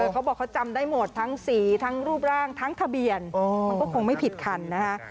เขาบอกเขาจำได้หมดทั้งสีทั้งรูปร่างทั้งทะเบียนมันก็คงไม่ผิดคันนะคะ